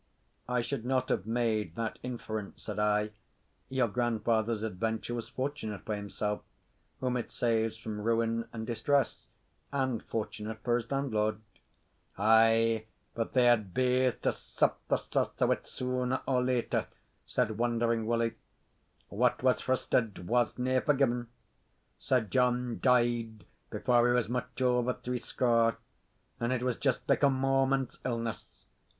"I should not have made that inference," said I. "Your grandfather's adventure was fortunate for himself, whom it saves from ruin and distress; and fortunate for his landlord." "Ay, but they had baith to sup the sauce o' 't sooner or later," said Wandering Willie; "what was fristed wasna forgiven. Sir John died before he was much over threescore; and it was just like a moment's illness.